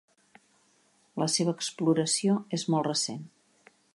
La seva exploració és molt recent.